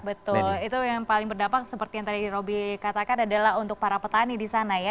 betul itu yang paling berdampak seperti yang tadi roby katakan adalah untuk para petani di sana ya